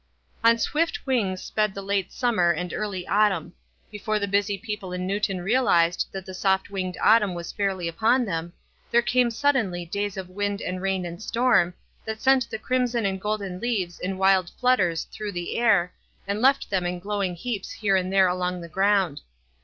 On swift wings sped the late summer and early autumn. Before the busy people in New ton realized that the soft winged autumn was fairly upon them, there came suddenly days of wind and rain and storm, that sent the crimson and golden leaves in wild flutters through the air, and left them in glowing heaps here and there along the ground.